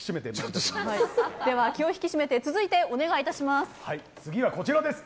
では、気を引き締めて続いて、お願いします。